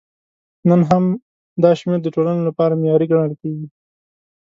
نن هم دا شمېر د ټولنو لپاره معیاري ګڼل کېږي.